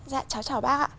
dạ chào chào bác